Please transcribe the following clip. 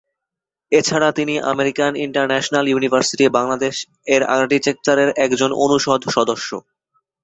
এছাড়া তিনি American International University Bangladesh এর আর্কিটেকচারের একজন অনুষদ সদস্য।